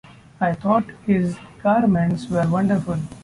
I thought his garments were wonderful.